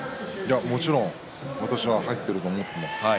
もちろん私は入ってると思います。